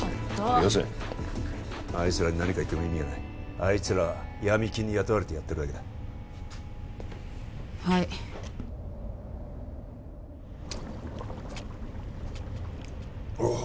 よせあいつらに何か言っても意味がないあいつらはヤミ金に雇われてやってるだけだはいああ